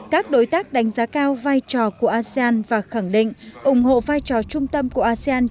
các đối tác đánh giá cao vai trò của asean và khẳng định ủng hộ vai trò trung tâm của asean